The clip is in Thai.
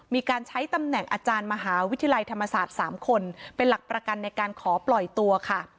มีการใช้ตำแหน่งอาจารย์มหาวิทยาลัยธรรมศาสตร์๓คนเป็นหลักประกันในการขอปล่อยตัวค่ะ